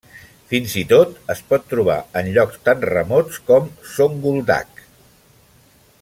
Fins i tot es pot trobar en llocs tan remots com Zonguldak.